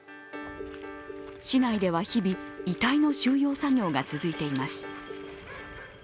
市内では日々、遺体の収容作業が続いています。